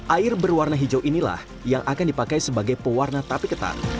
air berwarna hijau inilah yang akan dipakai sebagai pewarna tape ketan